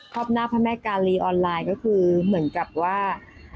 รอบหน้าพระแม่กาลีออนไลน์ก็คือเหมือนกับว่า